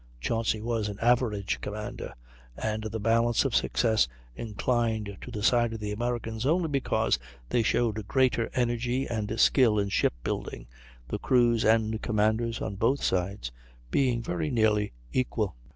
Chauncy was an average commander; and the balance of success inclined to the side of the Americans only because they showed greater energy and skill in shipbuilding, the crews and commanders on both sides being very nearly equal.